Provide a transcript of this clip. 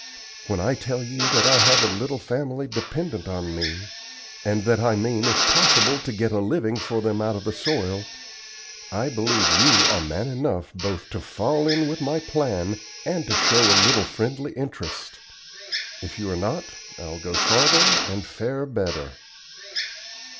When I tell you that I have a little family dependent on me, and that I mean if possible to get a living for them out of the soil, I believe you are man enough both to fall in with my plan and to show a little friendly interest. If you are not, I'll go farther and fare better."